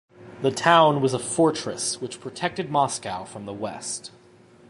The town was a fortress which protected Moscow from the west.